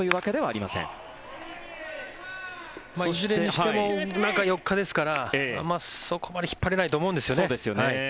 いずれにしても中４日ですからそこまで引っ張れないと思うんですよね。